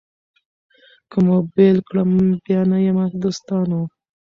که مو بېل کړمه بیا نه یمه دوستانو